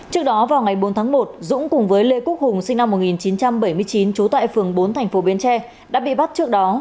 trước đó vào ngày bốn tháng một dũng cùng với lê quốc hùng sinh năm một nghìn chín trăm bảy mươi chín trú tại phường bốn thành phố bến tre đã bị bắt trước đó